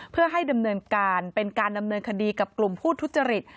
เพื่อให้ดำเนินการเป็นการดำเนินคดีกับกลุ่มผู้ทุจริต